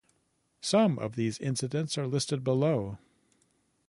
Some of these incidents are listed below.